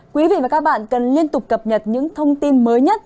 quý vị và các bạn cần liên tục cập nhật những thông tin mới nhất